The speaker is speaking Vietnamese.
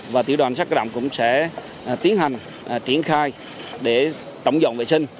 và tiểu đoàn sát cơ động cũng sẽ tiến hành triển khai để tổng dọn vệ sinh